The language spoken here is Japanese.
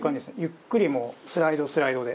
ゆっくりスライドスライドで。